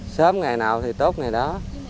sớm ngày nào thì tốt ngày đó